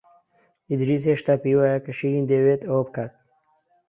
ئیدریس هێشتا پێی وایە کە شیرین دەیەوێت ئەوە بکات.